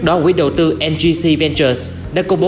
đầu tư ngc ventures đã công bố